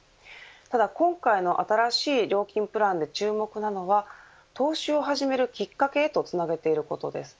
ただ今回の新しい料金プランで注目なのは投資を始めるきっかけへとつなげていることです。